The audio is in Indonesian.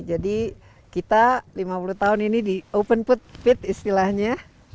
jadi kita lima puluh tahun ini di open pit istilahnya